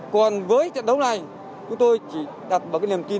còn với trận đấu này chúng tôi chỉ đặt bằng niềm tin